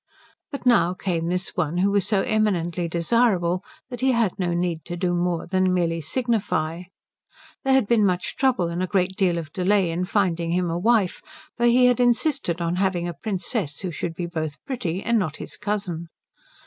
But now came this one who was so eminently desirable that he had no need to do more than merely signify. There had been much trouble and a great deal of delay in finding him a wife, for he had insisted on having a princess who should be both pretty and not his cousin.